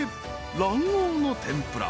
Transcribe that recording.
［卵黄の天ぷら］